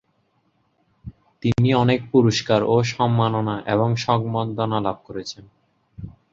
তিনি অনেক পুরস্কার ও সম্মাননা এবং সংবর্ধনা লাভ করেছেন।